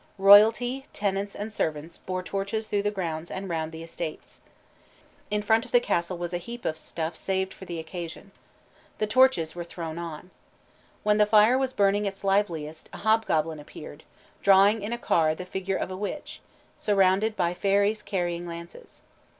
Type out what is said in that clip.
Royalty, tenants, and servants bore torches through the grounds and round the estates. In front of the castle was a heap of stuff saved for the occasion. The torches were thrown on. When the fire was burning its liveliest, a hobgoblin appeared, drawing in a car the figure of a witch, surrounded by fairies carrying lances.